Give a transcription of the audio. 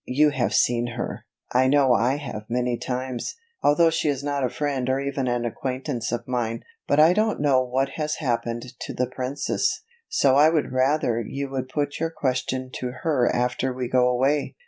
"You have seen her, I know I have many times, although she is not a friend or even an acquaintance of mine. But I don't know what has happened to 'The Princess', so I would rather you would put your question to her after we go away."